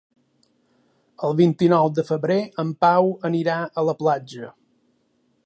El vint-i-nou de febrer en Pau anirà a la platja.